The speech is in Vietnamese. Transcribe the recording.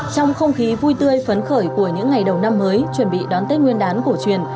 trong không khí vui tươi phấn khởi của những ngày đầu năm mới chuẩn bị đón tết nguyên đán cổ truyền